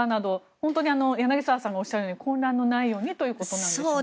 本当に柳澤さんがおっしゃるように混乱のないようにということなんでしょうね。